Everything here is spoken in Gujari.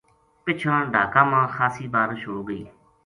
پِچھاں ڈھاکا ما خاصی بارش ہو گئی